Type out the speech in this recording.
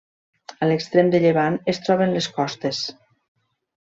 A l'extrem de llevant es troben les Costes.